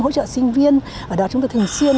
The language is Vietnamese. hỗ trợ sinh viên ở đó chúng tôi thường xuyên